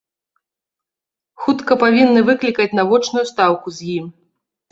Хутка павінны выклікаць на вочную стаўку з ім.